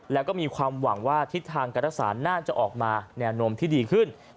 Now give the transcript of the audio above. แล้วก็มีความหวังว่าทิศทางการรักษาน่าจะออกมาแนวโน้มที่ดีขึ้น